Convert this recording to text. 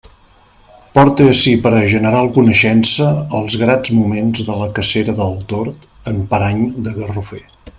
Porte ací per a general coneixença els grats moments de la cacera del tord en parany de garrofer.